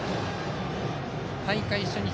大会初日